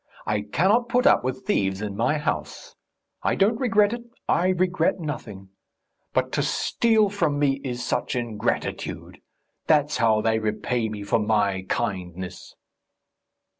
I cannot put up with thieves in my house. I don't regret it I regret nothing; but to steal from me is such ingratitude! That's how they repay me for my kindness...."